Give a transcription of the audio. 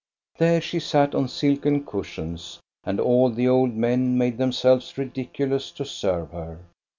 There she sat on silken cushions, and all the old men made themselves ridiculous to serve her.